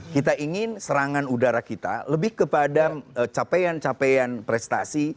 kita ingin serangan udara kita lebih kepada capaian capaian prestasi